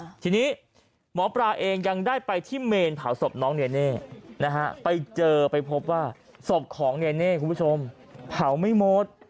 ทีนี้หมอปลาเองยังได้ไปที่เมนเผาศพน้องเนเน่นะฮะไปเจอไปพบว่าศพของเนเน่คุณผู้ชมเผาไม่หมด